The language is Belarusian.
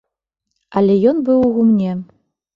Але ён быў у гумне.